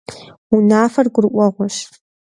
Унафэр гурыӀуэгъуэщ.